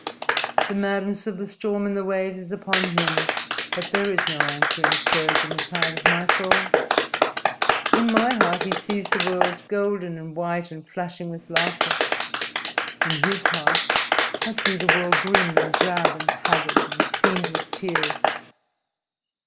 The madness of the storm and the waves is upon him, but there is no answering surge in the tide of my soul. In my heart he sees the world golden and white and flashing with laughter. In his heart I see the world grim and drab and haggard and seamed with tears.